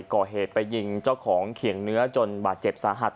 ก่อเหตุไปยิงเจ้าของเขียงเนื้อจนบาดเจ็บสาหัส